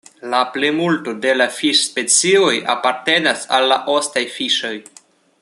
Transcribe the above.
La plimulto de la fiŝ-specioj apartenas al la ostaj fiŝoj.